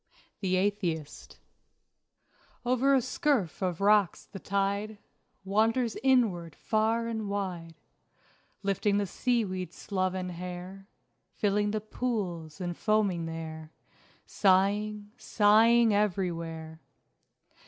THE ATHEIST Over a scurf of rocks the tide Wanders inward far and wide, Lifting the sea weed's sloven hair, Filling the pools and foaming there, Sighing, sighing everywhere.